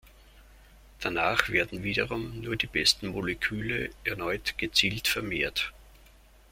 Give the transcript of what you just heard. Danach werden wiederum nur die besten Moleküle erneut gezielt vermehrt.